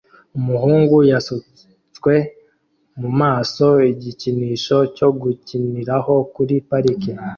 Umuhungu yasutswe mumaso igikinisho cyo gukiniraho kuri parike